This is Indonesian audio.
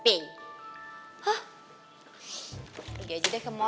pergi aja deh ke mall